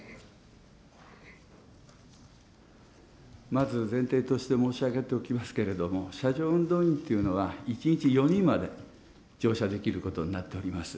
まず、前提として申し上げておりますけれども、車上運動員というのは１日４人まで乗車できることになっております。